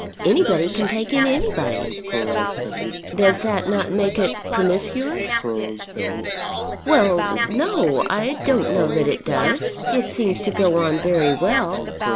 Anybody can take in anybody." "Does not that make it promiscuous?" "Well; no; I don't know that it does. It seems to go on very well.